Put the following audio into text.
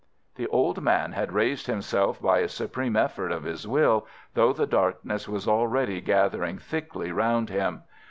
The old man had raised himself by a supreme effort of his will, though the darkness was already gathering thickly round him.